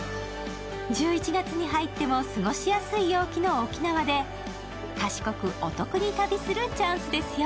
１１月に入っても過ごしやすい陽気の沖縄で賢くお得に旅するチャンスですよ。